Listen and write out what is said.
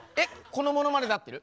このものまねで合ってる？